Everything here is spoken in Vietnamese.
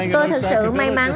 tôi thật sự may mắn